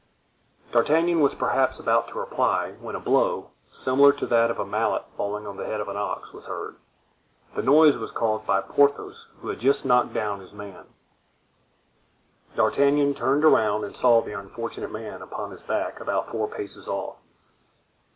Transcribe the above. D'Artagnan was perhaps about to reply, when a blow, similar to that of a mallet falling on the head of an ox, was heard. The noise was caused by Porthos, who had just knocked down his man. D'Artagnan turned around and saw the unfortunate man upon his back about four paces off.